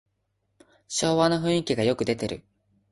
昭和の雰囲気がよく出てる